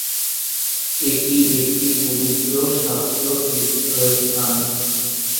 এটি একটি পবিত্র শাক্ত তীর্থস্থান।